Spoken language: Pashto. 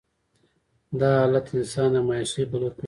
دا حالات انسان د مايوسي په لور کشوي.